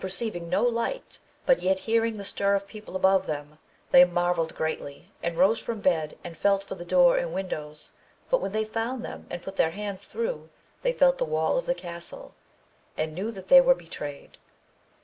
ceiving no light, but yet hearing the stir of people above them, they marvelled greatly and rose from bed and felt for the door and windows, but when they found them and put their hands through they felt the wall of the castle, and knew that they were betrayed.